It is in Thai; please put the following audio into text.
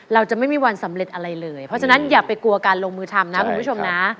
เราจะไม่มีวันสำเร็จอะไรเลยเพราะฉะนั้นอย่าไปกลัวการลงมือทำนะคุณผู้ชมนะ